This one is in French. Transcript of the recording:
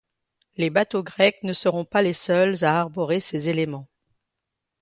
Les bateaux grecs ne seront pas les seuls à arborer ces éléments.